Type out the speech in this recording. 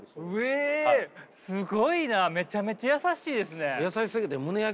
すごいなめちゃめちゃ優しいですね。